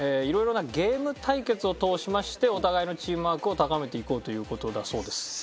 いろいろなゲーム対決を通しましてお互いのチームワークを高めていこうという事だそうです。